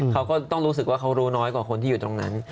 เขาก็ต้องรู้สึกว่าเขารู้น้อยกว่าคนที่อยู่ตรงนั้น